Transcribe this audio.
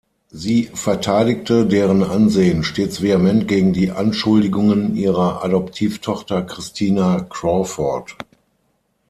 Sie verteidigte deren Ansehen stets vehement gegen die Anschuldigungen ihrer Adoptivtochter Christina Crawford.